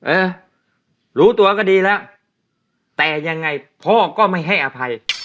เออรู้ตัวก็ดีแล้วแต่ยังไงพ่อก็ไม่ให้อภัย